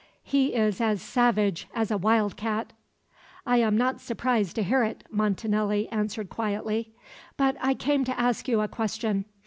He is as savage as a wild cat." "I am not surprised to hear it," Montanelli answered quietly. "But I came to ask you a question.